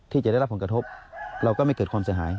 ที่จะได้รับผลกระทบเราก็ไม่เกิดความเสียหาย